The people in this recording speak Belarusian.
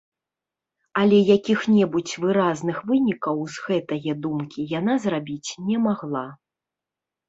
Але якіх-небудзь выразных вынікаў з гэтае думкі яна зрабіць не магла.